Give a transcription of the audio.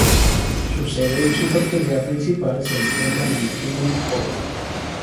Su sede y su factoría principal se encuentran en Eindhoven.